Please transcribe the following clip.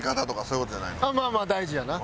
まあまあ大事やな。